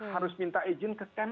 harus minta izin ke kem